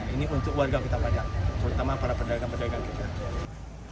ini untuk warga kita banyak terutama para pedagang pedagang kita